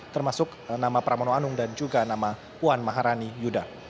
termasuk nama pramono anung dan juga nama puan maharani yudha